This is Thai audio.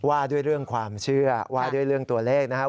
ว่าด้วยเรื่องความเชื่อว่าด้วยเรื่องตัวเลขนะครับ